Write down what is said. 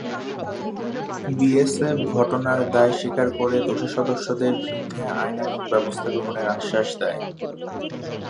BSF ঘটনার দায় স্বীকার করে দোষী সদস্যদের বিরুদ্ধে আইনানুগ ব্যবস্থা গ্রহণের আশ্বাস দেয়।